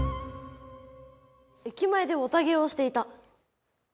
駅前でヲタ芸をしていた。